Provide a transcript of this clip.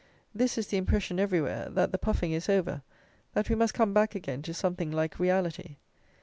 This is the impression everywhere; that the puffing is over; that we must come back again to something like reality.